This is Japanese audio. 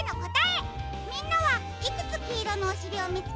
みんなはいくつきいろのおしりをみつけられたかな？